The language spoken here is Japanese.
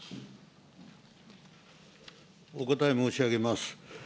お答え申し上げます。